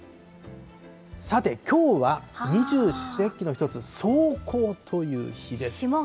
さて、きょうは二十四節気の一つ、霜降という日です。